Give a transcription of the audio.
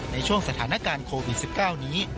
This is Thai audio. ในช่วงสถานการณ์โควิด๑๙นี้